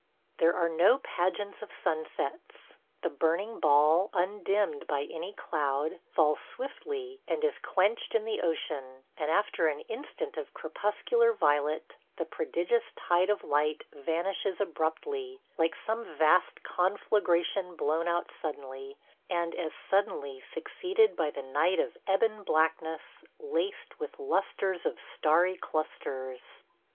... There are no pageants of sunsets. The burning ball, undimmed by any cloud, falls swiftly and is quenched in the ocean, and after an instant of crepuscular violet the prodigious tide of light vanishes abruptly, like some vast conflagration blown out suddenly, and as suddenly succeeded by "The night of ebon blackness, Laced with lustres of starry clusters."